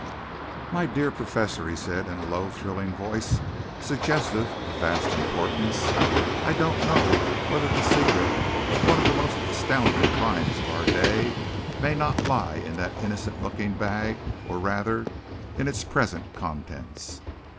"My dear Professor!" he said, in a low, thrilling voice, suggestive of vast importance, "I don't know whether the secret of one of the most astounding crimes of our day may not lie in that innocent looking bag or, rather, in its present contents.